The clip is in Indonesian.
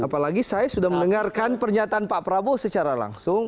apalagi saya sudah mendengarkan pernyataan pak prabowo secara langsung